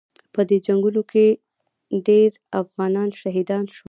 په دې جنګونو کې ډېر افغانان شهیدان شول.